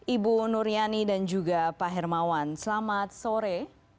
ibu nur yani dan juga pak hermawan selamat sore